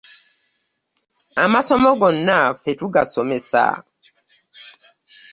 Amasomo gonna ffe tugasomesa.